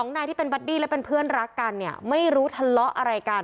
นายที่เป็นบัดดี้และเป็นเพื่อนรักกันเนี่ยไม่รู้ทะเลาะอะไรกัน